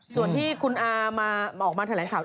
ส่วนที่คุณอาออกมาแถลงข่าว